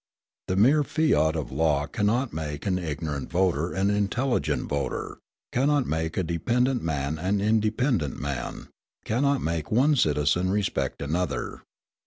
The mere fiat of law cannot make an ignorant voter an intelligent voter, cannot make a dependent man an independent man, cannot make one citizen respect another.